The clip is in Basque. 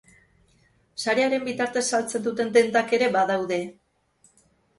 Sarearen bitartez saltzen duten dendak ere badaude.